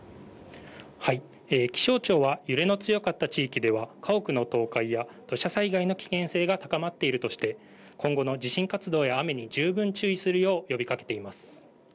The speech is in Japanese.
気象庁は揺れの強かった地域では家屋の倒壊や土砂災害の危険性が高まっているとして今後の地震活動や雨に十分注意するよう呼びかけています。